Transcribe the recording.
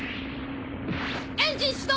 エンジン始動！